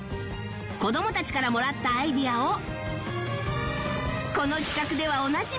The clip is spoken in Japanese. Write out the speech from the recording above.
子どもたちからもらったアイデアをこの企画ではおなじみ